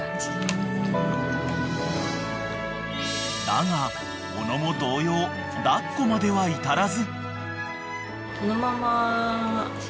［だが小野も同様抱っこまでは至らず］